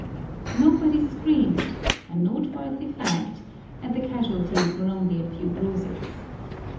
Nobody screamed—a noteworthy fact—and the casualties were only a few bruises.